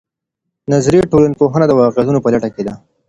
نظري ټولنپوهنه د واقعيتونو په لټه کې ده.